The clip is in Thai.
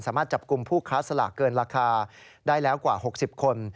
สามารถจับกลุ่มผู้ค้าสลากเกินราคาได้แล้วกว่า๖๐คน